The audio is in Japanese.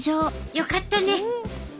よかった！